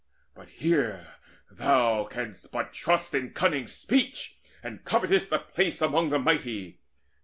But here thou canst but trust In cunning speech, and covetest a place Amongst the mighty!